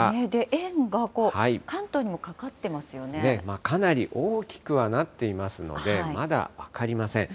円がかなり大きくはなっていますので、まだ分かりません。